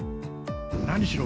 何しろ